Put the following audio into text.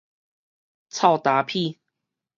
臭焦疕